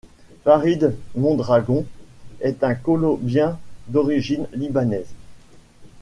Faryd Mondragon est un colombien d'origine libanaise.